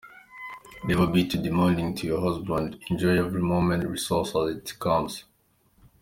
Never be too demanding to your husband, enjoy every moment, resource as it comes.